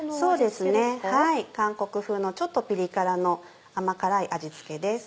韓国風のちょっとピリ辛の甘辛い味付けです。